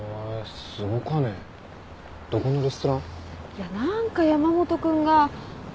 いや何か山本君が。